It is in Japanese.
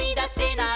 ない！